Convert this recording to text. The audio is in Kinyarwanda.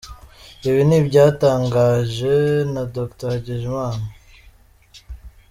Ibi ni ibyatangaje na Dr Ndagijimana.